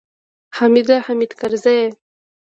حامده! حامد کرزیه!